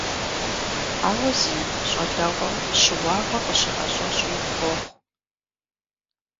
Ауэ зи щӀалэгъуэм щыуагъэ къыщыӀэщӀэщӀи къохъу.